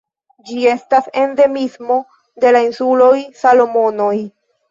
Ĝi estas endemismo de la insuloj Salomonoj.